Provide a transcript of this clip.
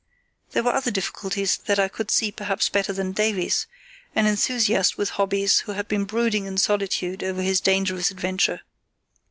There were other difficulties that I could see perhaps better than Davies, an enthusiast with hobbies, who had been brooding in solitude over his dangerous adventure.